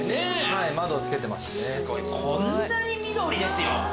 すごいこんなに緑ですよ。